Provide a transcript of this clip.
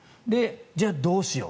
じゃあどうしよう。